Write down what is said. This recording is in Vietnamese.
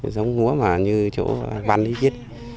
giống lúa mà như chỗ văn ý kiến